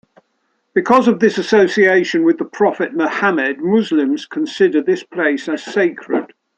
Because of this association with the Prophet Mohamed, Muslims consider this place as sacred.